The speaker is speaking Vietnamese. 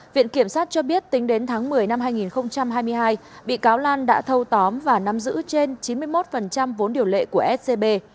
viện kiểm sát cho biết tính đến tháng một mươi năm hai nghìn hai mươi hai bị cáo lan đã thâu tóm và nắm giữ trên chín mươi một vốn điều lệ của scb